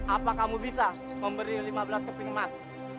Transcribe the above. apa kamu bisa memberi lima belas keping emas